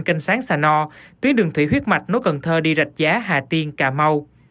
kênh sáng sano tuyến đường thủy huyết mạch nối cần thơ đi rạch giá hà tiên cà mau